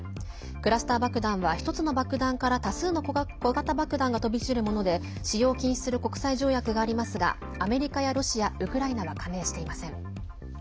クラスター爆弾は１つの爆弾から多数の小型爆弾が飛び散るもので使用を禁止する国際条約がありますがアメリカやロシア、ウクライナは加盟していません。